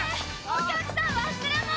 お客さん忘れ物！